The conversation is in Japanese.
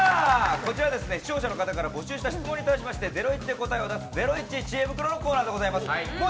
こちらは視聴者の方から募集した質問に対し、『ゼロイチ』で答えを出すゼロイチ知恵袋のコーナーです。